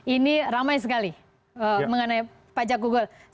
ini ramai sekali mengenai pajak google